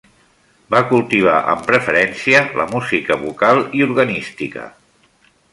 Va cultivar amb preferència la música vocal i organística.